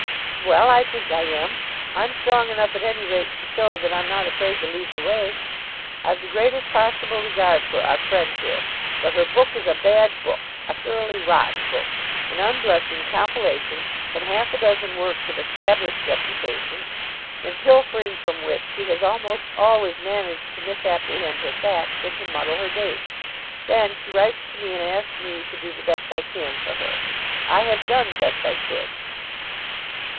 "Well, I think I am. I'm strong enough, at any rate, to show that I'm not afraid to lead the way. I've the greatest possible regard for our friend here; but her book is a bad book, a thoroughly rotten book, an unblushing compilation from half a dozen works of established reputation, in pilfering from which she has almost always managed to misapprehend her facts, and to muddle her dates. Then she writes to me and asks me to do the best I can for her. I have done the best I could."